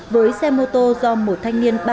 với xe mô tô do một thanh niên